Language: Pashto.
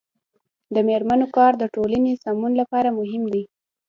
د میرمنو کار د ټولنې سمون لپاره مهم دی.